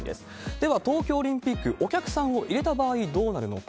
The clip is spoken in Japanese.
では東京オリンピック、お客さんを入れた場合どうなるのか。